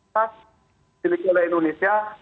terpilih oleh indonesia